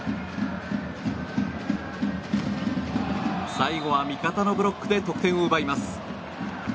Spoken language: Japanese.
最後は味方のブロックで得点を奪います。